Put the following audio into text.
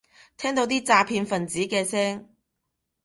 聽到啲詐騙份子嘅聲